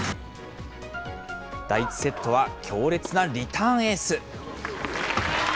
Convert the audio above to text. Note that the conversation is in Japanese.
第１セットは強烈なリターンエース。